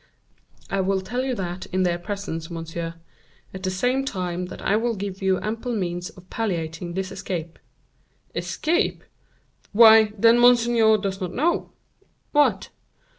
"I will tell you that in their presence, monsieur; at the same time that I will give you ample means of palliating this escape." "Escape! Why, then, monseigneur does not know?" "What?"